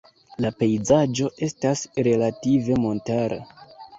La pejzaĝo estas relative montara.